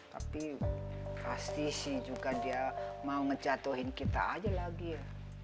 tapi pasti sih juga dia mau ngejatuhin kita aja lagi ya